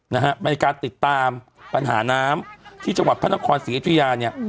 ในการติดตามปัญหาน้ำที่จังหวัดพระนครศรีอยุธยาเนี่ย